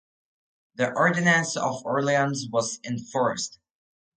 The ordinance of Orleans was enforced.